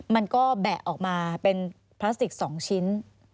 มันก็แบะออกมาเป็นพลาสติก๒ชิ้น